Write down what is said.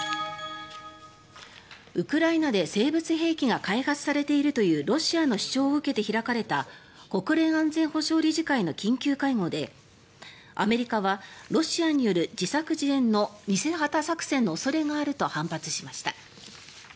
ウクライナで生物兵器が開発されているというロシアの主張を受けて開かれた国連安全保障理事会の緊急会合でアメリカはロシアによる自作自演の偽旗作戦の恐れがあると反発しました。